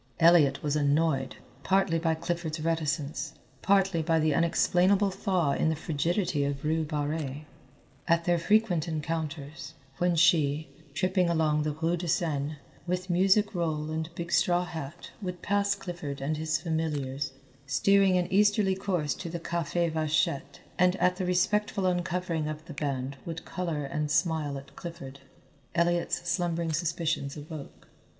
Elliott was annoyed, partly by Clifford's reticence, partly by the unexplainable thaw in the frigidity of Rue Barrée. At their frequent encounters, when she, tripping along the rue de Seine, with music roll and big straw hat would pass Clifford and his familiars steering an easterly course to the Café Vachette, and at the respectful uncovering of the band would colour and smile at Clifford, Elliott's slumbering suspicions awoke.